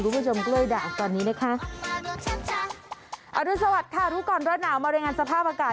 คุณผู้ชมกล้วยด่าตอนนี้นะคะ